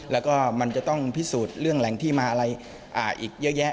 แล้วก็มันจะต้องพิสูจน์เรื่องแหล่งที่มาอะไรอีกเยอะแยะ